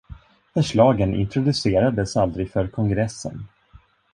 Förslagen introducerades aldrig för kongressen.